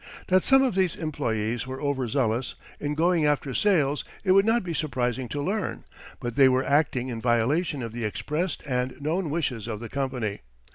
That some of these employees were over zealous in going after sales it would not be surprising to learn, but they were acting in violation of the expressed and known wishes of the company.